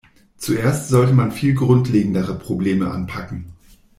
Zuerst sollte man viel grundlegendere Probleme anpacken.